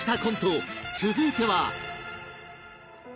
続いては